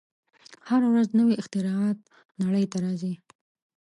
هره ورځ نوې اختراعات نړۍ ته راځي.